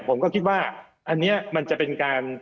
ผมก็คิดว่าอันนี้มันจะเป็นการ